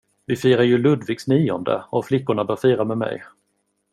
Vi firar ju Ludvigs nionde och flickorna bör fira med mig.